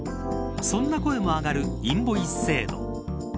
そんな声も上がるインボイス制度。